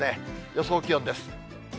予想気温です。